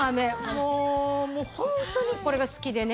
もう本当にこれが好きでね。